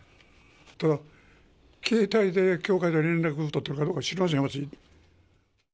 ただ、携帯で教会と連絡取ってるかどうか知りませんよ、私。